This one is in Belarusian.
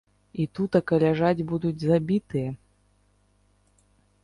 І тутака ляжаць будуць забітыя?